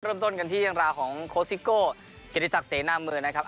เริ่มต้นกันที่ยางราวของโคสิกโกกระดิษัเสน่าน่าเมืองนะครับ